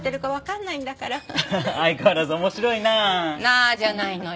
「なあ」じゃないのよ。